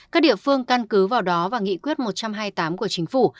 các địa phương căn cứ vào đó và nghị quyết một trăm hai mươi tám của chính phủ